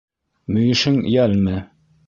Мөйөшөң йәлме?